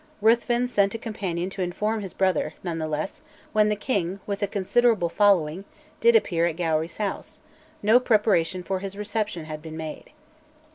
Ruthven sent a companion to inform his brother; none the less, when the king, with a considerable following, did appear at Gowrie's house, no preparation for his reception had been made.